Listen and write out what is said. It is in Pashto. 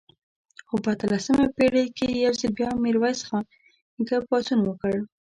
خو په اتلسمه پېړۍ کې یو ځل بیا میرویس خان نیکه پاڅون وکړ.